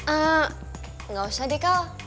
ah gak usah deh kal